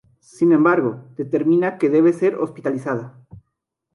Sin embargo, determina que debe ser hospitalizada.